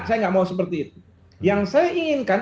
saya nggak mau seperti itu yang saya inginkan